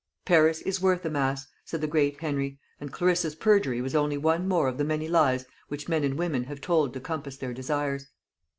"Paris is worth a mass," said the great Henry; and Clarissa's perjury was only one more of the many lies which men and women have told to compass their desires.